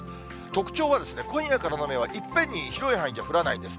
特徴は今夜からの雨はいっぺんに広い範囲で降らないです。